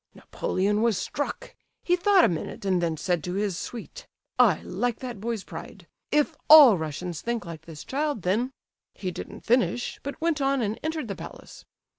Napoleon was struck; he thought a minute and then said to his suite: 'I like that boy's pride; if all Russians think like this child, then—' he didn't finish, but went on and entered the palace.